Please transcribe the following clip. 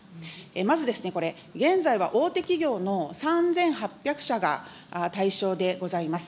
まず、これ、現在は大手企業の３８００社が対象でございます。